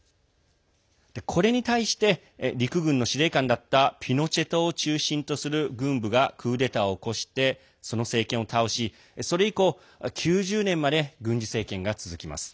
これに対して陸軍の司令官だったピノチェトを中心とする軍部がクーデターを起こしてその政権を倒しそれ以降９０年まで軍事政権が続きます。